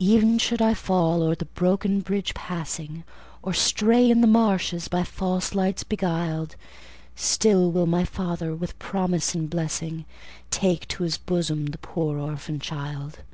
Ev'n should I fall o'er the broken bridge passing, Or stray in the marshes, by false lights beguiled, Still will my Father, with promise and blessing, Take to His bosom the poor orphan child.